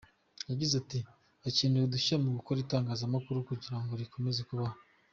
Yagize ati “ Hakenewe udushya mu bakora itangazamakuru kugira ngo rikomeze kubaho.